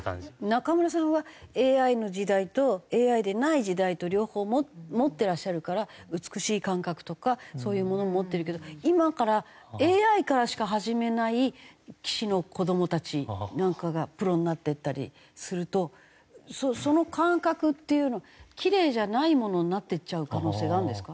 中村さんはＡＩの時代とＡＩでない時代と両方持ってらっしゃるから美しい感覚とかそういうものも持ってるけど今からＡＩからしか始めない棋士の子どもたちなんかがプロになっていったりするとその感覚っていうのキレイじゃないものになっていっちゃう可能性があるんですか？